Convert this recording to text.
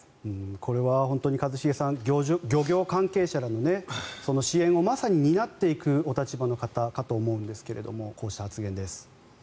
これは本当に一茂さん漁業関係者らの支援をまさに担っていくお立場の方かと思うんですがこうした発言です。